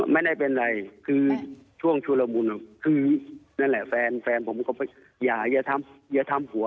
ไม่ได้เป็นไรคือช่วงชุดละมุนอะคือนั่นแหละแฟนผมก็ไม่อย่าทำหัว